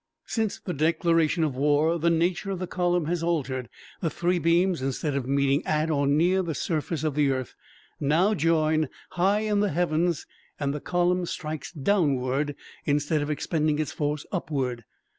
"Since the declaration of war the nature of the column has altered. The three beams, instead of meeting at or near the surface of the earth, now join high in the heavens and the column strikes downward instead of expending its force upward.